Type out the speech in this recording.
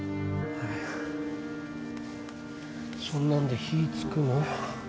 はいそんなんで火つくの？